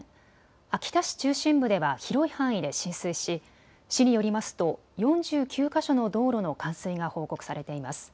秋田市中心部では広い範囲で浸水し市によりますと４９か所の道路の冠水が報告されています。